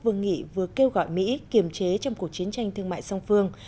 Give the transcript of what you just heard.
vương nghị vừa kêu gọi mỹ kiềm chế trong cuộc chiến tranh thương mại song phương